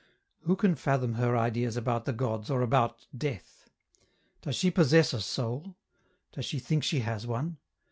Who can fathom her ideas about the gods, or about death? Does she possess a soul? Does she think she has one?